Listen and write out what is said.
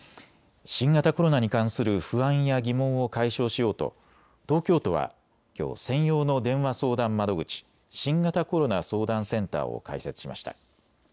新型コロナに関する不安や疑問を解消しようと東京都はきょう専用の電話相談窓口新型コロナ相談センターを開設しました。